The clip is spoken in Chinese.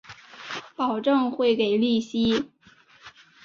保证会给利息